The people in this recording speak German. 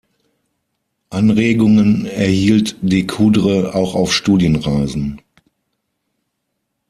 Anregungen erhielt Des Coudres auch auf Studienreisen.